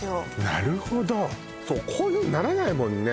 なるほどそうこういうふうにならないもんね